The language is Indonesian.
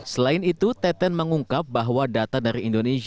selain itu teten mengungkap bahwa data dari indonesia